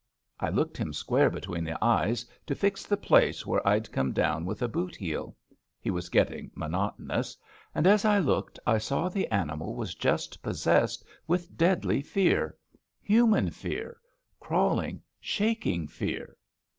I looked him square between the eyes to fix the place where EEASTASIUS OF THE WHANGHOA 9 I^d come down with a boot heel (he was getting monotonous ), and as I looked I saw the animal was just possessed with deadly fear — human fear — crawling, shaking fear.